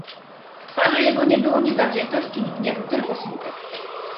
"W twarzy jego nie było ni zawziętości, ni gniewu, tylko smutek."